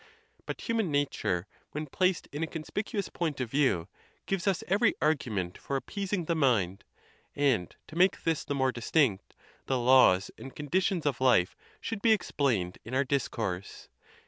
But human nature, when placed in a conspicuous point of view, gives us every argument for appeasing the . mind, and, to make this the more distinct, the laws and conditions of life should be explained in our discourse.